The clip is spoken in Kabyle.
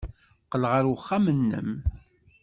Qqel ɣer uxxam-nnem.